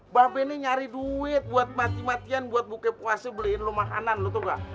mbak be nih nyari duit buat mati matian buat buka puasa beliin lo makanan lo tau gak